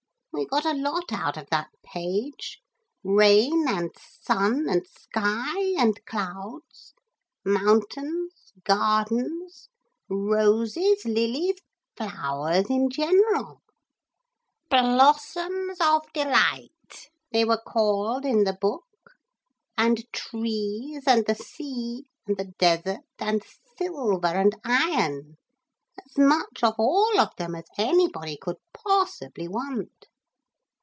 We got a lot out of that page, rain and sun and sky and clouds, mountains, gardens, roses, lilies, flowers in general, "Blossoms of delight" they were called in the book and trees and the sea, and the desert and silver and iron as much of all of them as anybody could possibly want.